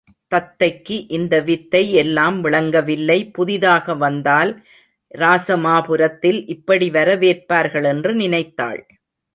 தத்தைக்கு இந்த வித்தை எல்லாம் விளங்கவில்லை புதிதாக வந்தால் இராசமாபுரத்தில் இப்படி வரவேற்பார்கள் என்று நினைத்தாள்.